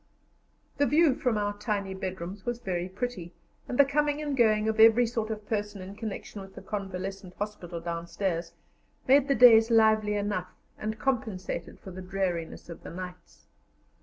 The view from our tiny bedrooms was very pretty, and the coming and going of every sort of person in connection with the convalescent hospital downstairs made the days lively enough, and compensated for the dreariness of the nights.